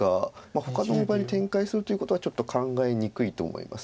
ほかの大場に展開するということはちょっと考えにくいと思います。